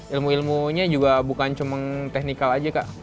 ilmu ilmunya juga bukan cuma teknikal aja kak